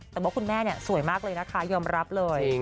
แต่ว่าคุณแม่สวยมากเลยนะคะยอมรับเลย